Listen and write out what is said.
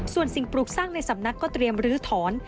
ส่วนสิ่งปลูกสร้างในสำนักก็เตรียมลื้อถอน